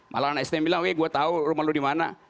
malah anak stm bilang gue tahu rumah lo dimana